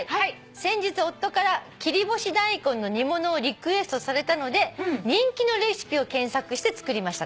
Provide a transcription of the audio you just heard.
先日夫から切り干し大根の煮物をリクエストされたので人気のレシピを検索して作りました」